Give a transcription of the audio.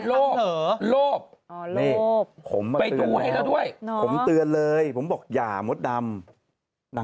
รบรบดูเห็นแล้วด้วยนี่ผมเตือนเลยผมบอกอย่าโมดดำ